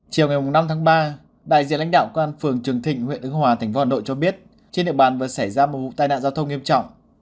chiều ngày năm tháng ba đại diện lãnh đạo công an phường trường thịnh huyện ứng hòa thành phố hà nội cho biết trên địa bàn vừa xảy ra một vụ tai nạn giao thông nghiêm trọng